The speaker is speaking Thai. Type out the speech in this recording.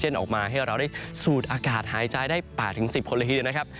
ปแสนออกมาให้เราได้ศูนย์อากาศถูกหายใจได้ป่าถึงสิบคนละครึ่งเดียวนะครับ